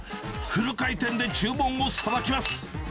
フル回転で注文をさばきます。